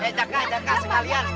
eh cakak jangan sekalian